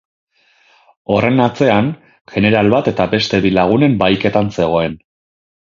Horren atzean, jeneral bat eta beste bi lagunen bahiketan zegoen.